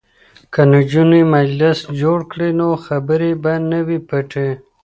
که نجونې مجلس جوړ کړي نو خبرې به نه وي پټې.